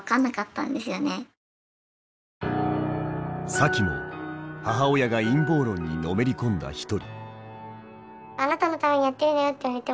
サキも母親が陰謀論にのめり込んだ一人。